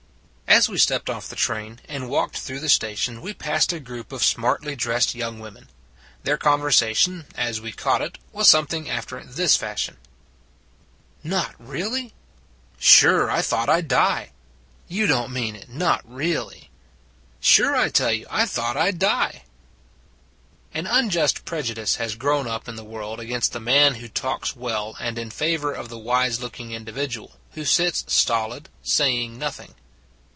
" As we stepped off the train and walked through the station, we passed a group of smartly dressed young women. Their conversation, as we caught it, was some what after this fashion: "Not re eally?" " Sure. I thought I d die." " You don t mean it. Not re eally." " Sure I tell you. I thought I d die." An unjust prejudice has grown up in the world against the man who talks well, and in favor of the wise looking individual, who sits stolid, saying nothing.